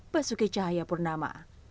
basuki cahaya purnama